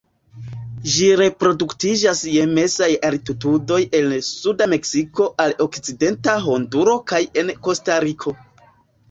Ĝi reproduktiĝas je mezaj altitudoj el suda Meksiko al okcidenta Honduro kaj en Kostariko.